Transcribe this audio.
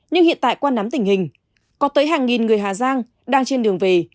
nhưng hiện tại qua nắm tình hình có tới hàng nghìn người hà giang đang trên đường về